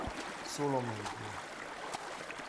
Solo meglio".